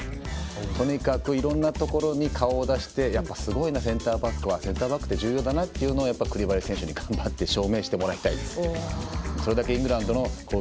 とにかく、いろんなところに顔を出してやっぱりすごいな、センターバックはセンターバックって重要だなというのをクリバリ選手に頑張ってもらいたいです。